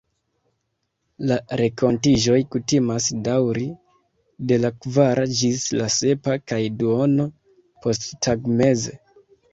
La renkontiĝoj kutimas daŭri de la kvara ĝis la sepa kaj duono posttagmeze.